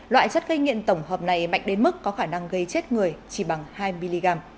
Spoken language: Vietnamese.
loại chất gây nghiện tổng hợp này mạnh đến mức có khả năng gây chết người chỉ bằng hai mg